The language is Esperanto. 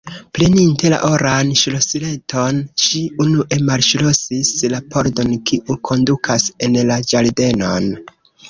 Preninte la oran ŝlosileton, ŝi unue malŝlosis la pordon kiu kondukas en la ĝardenon.